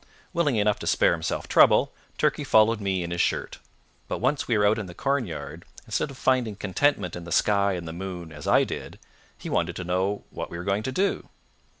Willing enough to spare himself trouble, Turkey followed me in his shirt. But once we were out in the cornyard, instead of finding contentment in the sky and the moon, as I did, he wanted to know what we were going to do.